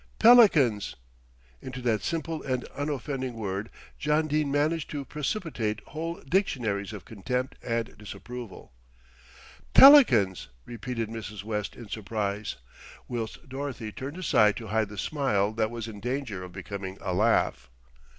"Pelicans!" Into that simple and unoffending word John Dene managed to precipitate whole dictionaries of contempt and disapproval. "Pelicans!" repeated Mrs. West in surprise, whilst Dorothy turned aside to hide the smile that was in danger of becoming a laugh.